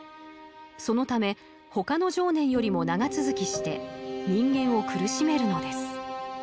そのため他の情念よりも長続きして人間を苦しめるのです。